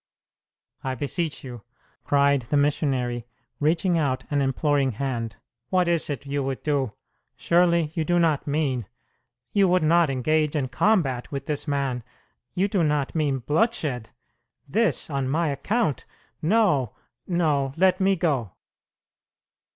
"I beseech you!" cried the missionary, reaching out an imploring hand. "What is it you would do? Surely you do not mean you would not engage in combat with this man you do not mean bloodshed? This on my account no, no! Let me go."